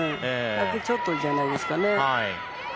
１００ちょっとじゃないですかね。